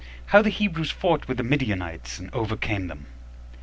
How The Hebrews Fought With The Midianites, And Overcame Them.